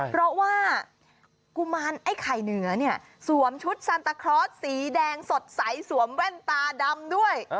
เพราะว่ากุมารไอ้ไข่เหนือเนี่ยสวมชุดซันตาคลอสสีแดงสดใสสวมแว่นตาดำด้วย